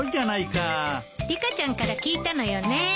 リカちゃんから聞いたのよね。